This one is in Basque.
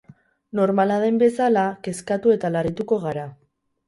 Normala den bezala kezkatu eta larrituko gara.